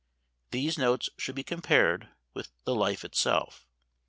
These notes should be compared with the Life itself.